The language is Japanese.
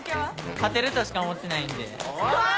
・・勝てるとしか思ってないんで・おい！